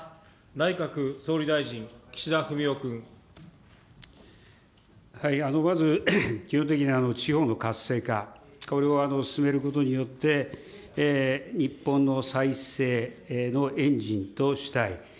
内閣総理大臣、まず、基本的に地方の活性化、これを進めることによって、日本の再生のエンジンとしたい。